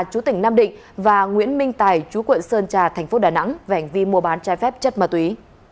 chú tỉnh nam định và nguyễn minh tài chú quận sơn trà tp đà nẵng về ảnh vi mua bán chai phép chất ma túy